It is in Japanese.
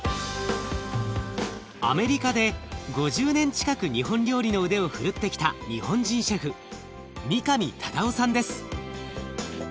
アメリカで５０年近く日本料理の腕を振るってきた日本人シェフ三上忠男さんです。